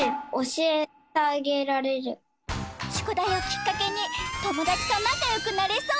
しゅくだいをきっかけにともだちとなかよくなれそう！